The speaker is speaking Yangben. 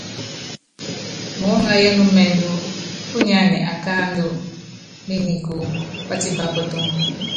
Muúŋayɔ ɛnúmɛndɔ kúnyánɛ akáandɔ ményiku, pátípa pɔtɔŋɔ.